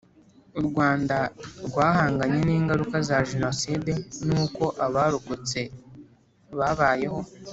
u Rwanda rwahanganye n ingaruka za Jenoside n uko abarokotse babayeho